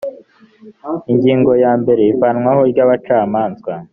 ingingo ya mbere ivanwaho ry abacamanza